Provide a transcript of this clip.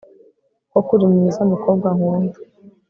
koko uri mwiza, mukobwa nkunda